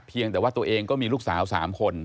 แต่ว่าตัวเองก็มีลูกสาว๓คน